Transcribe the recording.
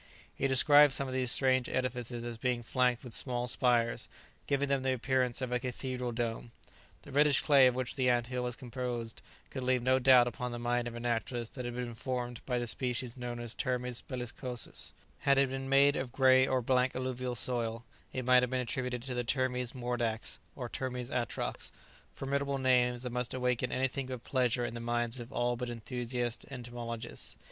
He described some of these strange edifices as being flanked with small spires, giving them the appearance of a cathedral dome. The reddish clay of which the ant hill was composed could leave no doubt upon the mind of a naturalist that it had been formed by the species known as "termes bellicosus;" had it been made of grey or black alluvial soil, it might have been attributed to the "termes mordax" or "termes atrox," formidable names that must awaken anything but pleasure in the minds of all but enthusiast entomologists.